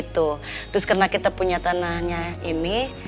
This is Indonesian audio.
terus karena kita punya tanahnya ini